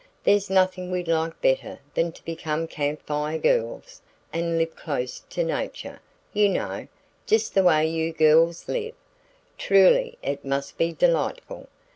There's nothing we'd like better than to become Camp Fire Girls and live close to nature, you know, just the way you girls live. Truly it must be delightful.